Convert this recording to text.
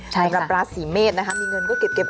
สำหรับราศีเมษนะคะมีเงินก็เก็บ